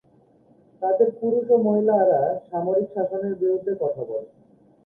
তাদের পুরুষ ও মহিলারা সামরিক শাসনের বিরুদ্ধে কথা বলে।